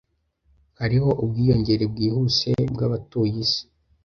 Hariho ubwiyongere bwihuse bwabatuye isi.